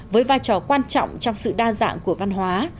với vai trò quan trọng trong sự đa dạng của văn hóa